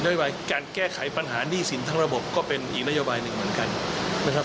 โยบายการแก้ไขปัญหาหนี้สินทั้งระบบก็เป็นอีกนโยบายหนึ่งเหมือนกันนะครับ